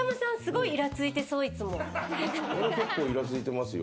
俺は結構イラついてますよ。